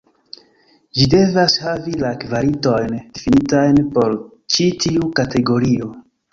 Ĝi devas havi la kvalitojn difinitajn por ĉi tiu kategorio.